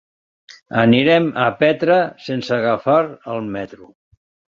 Anirem a Petra sense agafar el metro.